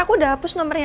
aku udah hapus nomornya